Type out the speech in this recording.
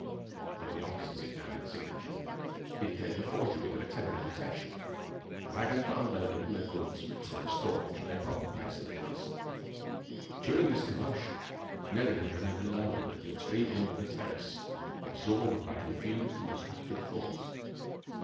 One of the officers examined the signature. He declared it a forgery; but a clever imitation. The wagons were unloaded, and the goods restored to their proper places in the castle. During this commotion, Nelly had remained alone at the extreme end of the terrace, absorbed by confused and distracted thoughts.